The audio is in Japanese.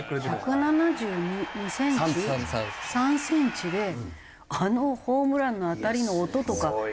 １７３センチであのホームランの当たりの音とか。